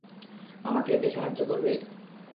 আমাকে এতে সাহায্য করবে?